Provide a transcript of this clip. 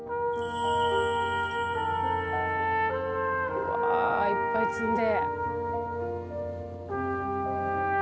うわいっぱい積んで。